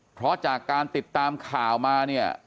เพราะจากการติดตามข่าวมาเนี่ย